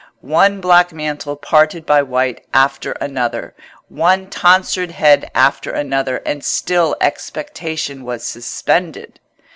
One black mantle parted by white after another, one tonsured head after another, and still expectation was suspended.